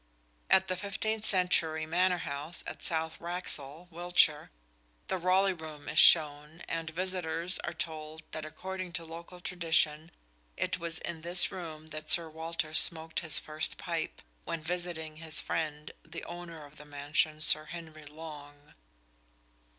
At the fifteenth century Manor House at South Wraxall, Wiltshire, the "Raleigh Room" is shown, and visitors are told that according to local tradition it was in this room that Sir Walter smoked his first pipe, when visiting his friend, the owner of the mansion, Sir Henry Long.